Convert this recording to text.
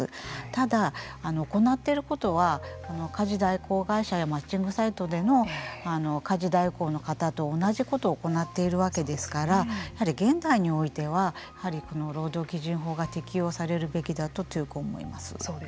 ただ、行っていることは家事代行会社やマッチングサイトでの家事代行の方と同じことを行っているわけですからやはり現代においてはこの労働基準法が適用されるべきだと強く思います。